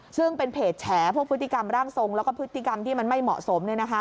ซึ่งเป็นเพจแฉพวกพฤติกรรมร่างทรงแล้วก็พฤติกรรมที่มันไม่เหมาะสม